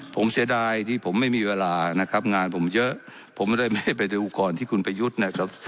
ผมเสียดายที่ผมไม่มีเวลานะครับงานผมเยอะผมไม่ได้ไม่ให้ไปดูก่อนที่คุณประยุทธ์นะครับ